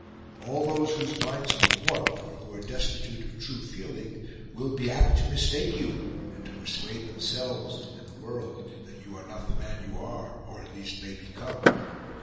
All those whose minds are warped, or who are destitute of true feeling, will BE APT TO MISTAKE YOU, and to persuade themselves and the world that you are not the man you are or, at least, may become...